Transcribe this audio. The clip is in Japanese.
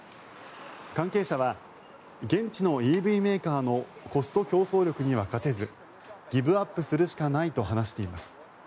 関係者は現地のＥＶメーカーのコスト競争力には勝てずギブアップするしかないと話しています。